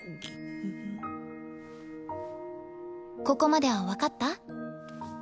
ここまでは分かった？